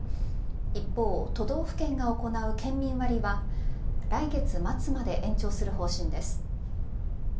一方、都道府県が行う県民割は来月末まで延長する方針です。